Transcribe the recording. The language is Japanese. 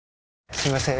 すいません。